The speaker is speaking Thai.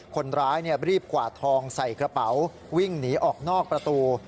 คนร้ายรีบกวาดทองใส่กระเป๋าวิ่งหนีออกนอกประตู